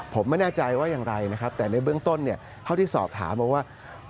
ผมไม่แน่ใจว่าอย่างไรนะครับแต่ในเบื้องต้นเนี่ยเท่าที่สอบถามมาว่า